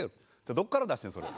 どこから出してんそれ。